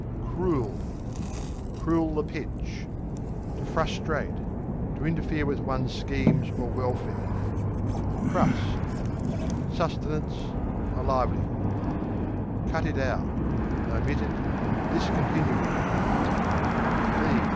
Crool (cruel) the pitch To frustrate; to interfere with one's schemes or welfare. Crust Sustenance; a livelihood: Cut it out Omit it; discontinue it.